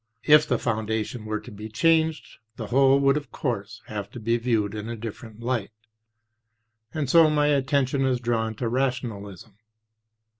If the foundation were to be changed, the whole would of course have to be viewed in a different light; and so my attention is drawn to Rationalism.